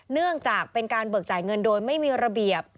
เนื่องจากเป็นการเบิกจ่ายเงินโดยไม่มีระเบียบ